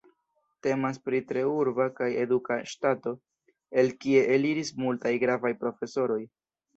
Temas pri tre urba kaj eduka ŝtato, el kie eliris multaj gravaj profesoroj.